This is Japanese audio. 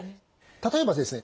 例えばですね